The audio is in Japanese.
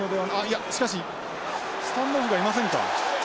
いやしかしスタンドオフがいませんか。